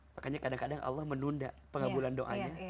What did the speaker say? makanya kadang kadang allah menunda pengabulan doanya